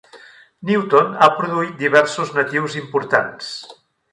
Newton ha produït diversos natius importants.